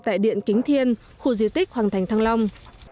tại điện kính thiên khu di tích hoàng thành thăng long